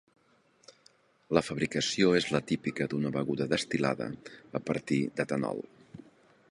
La fabricació és la típica d'una beguda destil·lada a partir d'etanol.